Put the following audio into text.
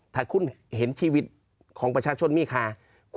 ถ้าคุณเห็นชีวิตของประชาชนมีค่า